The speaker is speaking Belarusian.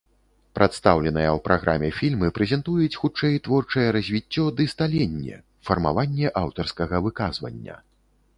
Прадстаўленыя ў праграме фільмы прэзентуюць хутчэй творчае развіццё ды сталенне, фармаванне аўтарскага выказвання.